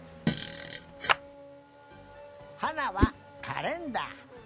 はなはカレンダー。